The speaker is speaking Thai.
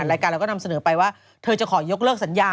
รายการเราก็นำเสนอไปว่าเธอจะขอยกเลิกสัญญา